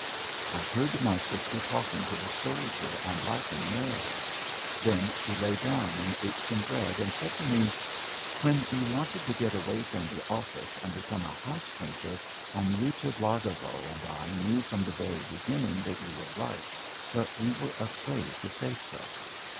I heard my sister talking to the soldier and laughing merrily. Then she lay down and ate some bread and said to me: "When you wanted to get away from the office and become a house painter, Aniuta Blagovo and I knew from the very beginning that you were right, but we were afraid to say so.